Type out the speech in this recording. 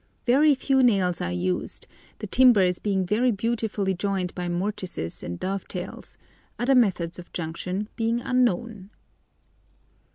Very few nails are used, the timbers being very beautifully joined by mortices and dovetails, other methods of junction being unknown.